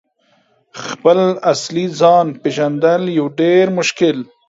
» خپل اصلي ځان « پیژندل یو ډیر مشکل